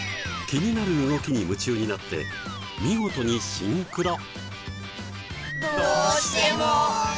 気になる動きに夢中になって見事にシンクロ。